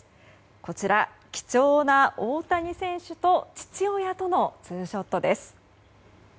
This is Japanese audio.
こちら、貴重な大谷選手と父親とのツーショットです。